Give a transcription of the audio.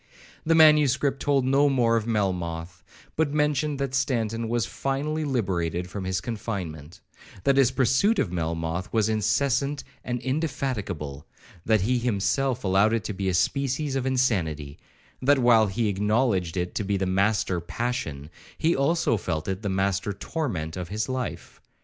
The manuscript told no more of Melmoth, but mentioned that Stanton was finally liberated from his confinement,—that his pursuit of Melmoth was incessant and indefatigable,—that he himself allowed it to be a species of insanity,—that while he acknowledged it to be the master passion, he also felt it the master torment of his life.